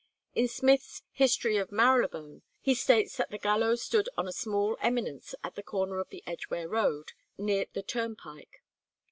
In Smith's "History of Marylebone," he states that the gallows stood on a small eminence at the corner of the Edgeware Road near the turnpike.